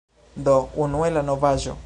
Do unue la novaĵo